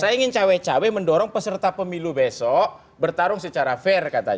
saya ingin cawe cawe mendorong peserta pemilu besok bertarung secara fair katanya